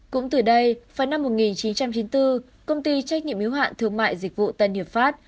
cũng từ đây vào năm một nghìn chín trăm chín mươi bốn công ty trách nhiệm hiếu hạn thương mại dịch vụ tân hiệp pháp